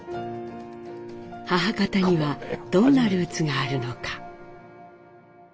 母方にはどんなルーツがあるのか？